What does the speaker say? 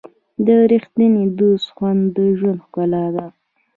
د ریښتیني دوست خوند د ژوند ښکلا ده.